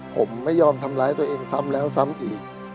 ผมไม่ยอมทำร้ายตัวเองซ้ำแล้วซ้ำอีก